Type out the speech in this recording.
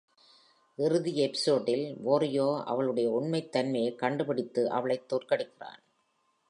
இறுதி எபிசோடில் Wario அவளுடைய உண்மைத் தன்மையைக் கண்டுபிடித்து, அவளைத் தோற்கடிக்கிறான்.